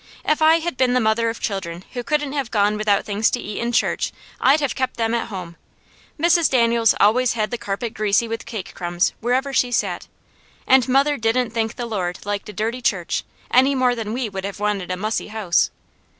If I had been the mother of children who couldn't have gone without things to eat in church I'd have kept them at home. Mrs. Daniels always had the carpet greasy with cake crumbs wherever she sat, and mother didn't think the Lord liked a dirty church any more than we would have wanted a mussy house.